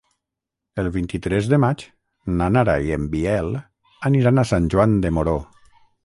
El vint-i-tres de maig na Nara i en Biel aniran a Sant Joan de Moró.